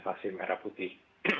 vaksin merah putih